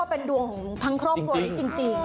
เป็นดวงของทั้งครอบครัวนี้จริง